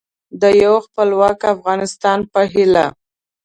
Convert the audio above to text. د یو خپلواک افغانستان په هیله